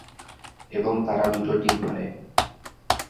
এবং তারা দুটো ডিম পারে।